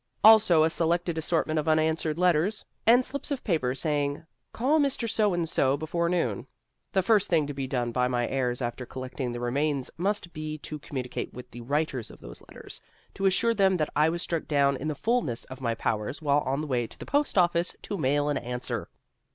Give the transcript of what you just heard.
Also a selected assortment of unanswered letters and slips of paper saying, "Call Mr. So and so before noon." The first thing to be done by my heirs after collecting the remains must be to communicate with the writers of those letters, to assure them that I was struck down in the fullness of my powers while on the way to the post office to mail an answer.